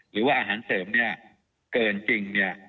หรือว่าอาหารเสริมเนี่ยเกินจริงเนี่ย